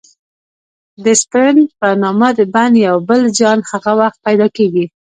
د سپرن په نامه د بند یو بل زیان هغه وخت پیدا کېږي.